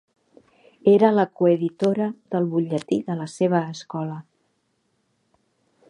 Era la coeditora del butlletí de la seva escola.